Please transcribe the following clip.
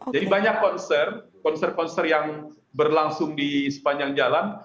jadi banyak konser konser konser yang berlangsung di sepanjang jalan